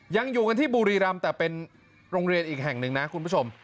ยังอยู่กันที่บุรีรำแต่เป็นโรงเรียนอีกแห่งหนึ่งนะคุณผู้ชม